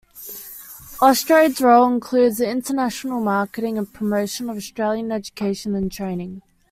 Austrade's role includes the international marketing and promotion of Australian education and training.